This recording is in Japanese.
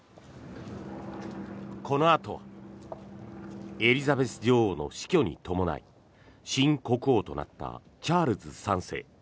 このあとはエリザベス女王の死去に伴い新国王となったチャールズ３世。